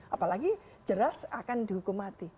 apalagi jelas akan dihukum mati